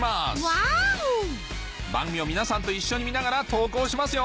番組を皆さんと一緒に見ながら投稿しますよ